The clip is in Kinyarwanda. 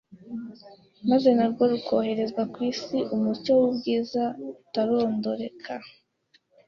maze narwo rukohereza ku isi umucyo w’ubwiza butarondoreka.